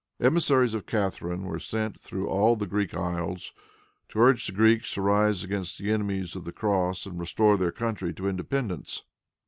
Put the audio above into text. Emissaries of Catharine were sent through all the Greek isles, to urge the Greeks to rise against the enemies of the cross and restore their country to independence.